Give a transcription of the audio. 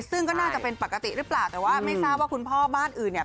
ซึ่งก็น่าจะเป็นปกติหรือเปล่าแต่ว่าไม่ทราบว่าคุณพ่อบ้านอื่นเนี่ย